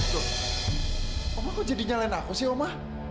dut oma kok jadi nyalahin aku sih oma